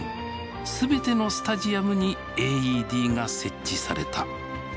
全てのスタジアムにＡＥＤが設置された。